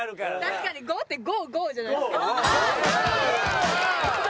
確かに５ってゴーゴーじゃないですか。